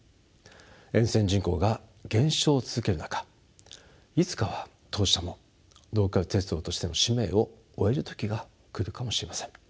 沿線人口が減少を続ける中いつかは当社もローカル鉄道としての使命を終える時が来るかもしれません。